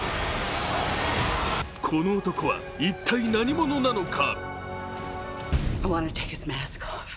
この男は一体何者なのか？